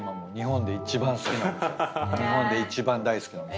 日本で一番大好きなお店。